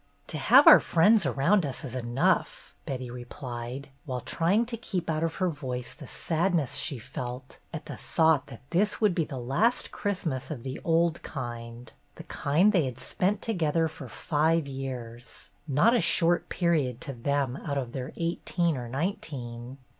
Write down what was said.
"To have our friends around us is enough," Betty replied, while trying to keep out of her voice the sadness she felt at the thought that this would be the last Christmas of the old kind, the kind they had spent together for five years, — not a short period to them out CHRISTMAS EVE 255 of their eighteen or nineteen.